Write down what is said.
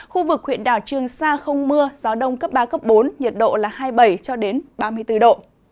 khu vực huyện đảo trường sa không mưa gió đông cấp ba cấp bốn nhiệt độ là hai mươi bảy ba mươi bốn độ